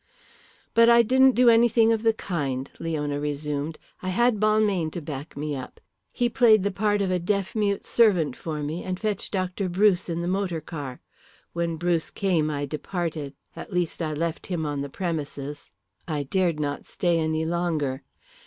"But I didn't do anything of the kind," Leona resumed. "I had Balmayne to back me up. He played the part of a deaf mute servant for me and fetched Dr. Bruce in the motor car. When Bruce came I departed, at least I left him on the premises. I dared not stay any longer.